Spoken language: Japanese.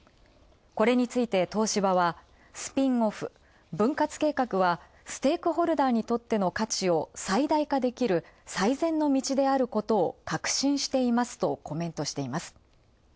これについて東芝はスピンオフ、分割計画はステークホルダーにとっての価値を最大化できる最善の道であると確信していますと、コメントしています。